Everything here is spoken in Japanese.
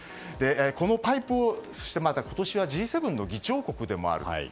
このパイプ今年はＧ７の議長国でもある。